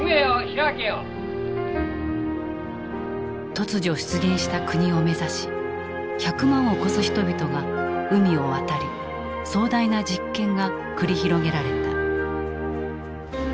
突如出現した国を目指し１００万を超す人々が海を渡り壮大な実験が繰り広げられた。